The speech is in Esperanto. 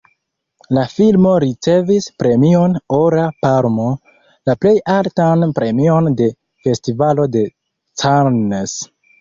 La filmo ricevis premion Ora Palmo, la plej altan premion de Festivalo de Cannes.